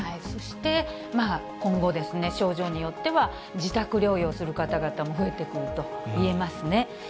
そして、今後ですね、症状によっては、自宅療養する方々も増えてくるといえますね。